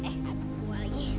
eh ada akua lagi